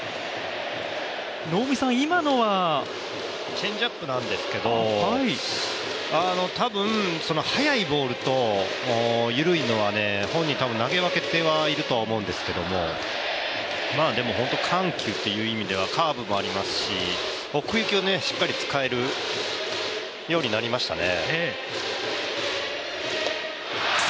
チェンジアップなんですけど多分速いボールと緩いのは本人、多分投げ分けてはいると思うんですけどでも本当、緩急という意味ではカーブもありますし奥行きをしっかり使えるようになりましたね。